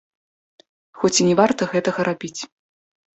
Хоць і не варта гэтага рабіць.